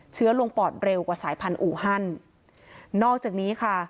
เชื้อลงปอดเร็วกว่าสายพันธุฮันนอกจากนี้ค่ะ